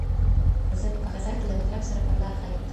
زه مي په غزل کي له مطرب سره پر لار ښه یم